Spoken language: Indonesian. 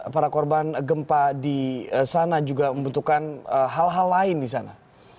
para korban gempa di sana juga membutuhkan hal hal lain di sana